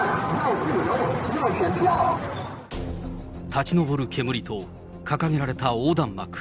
立ち上る煙と掲げられた横断幕。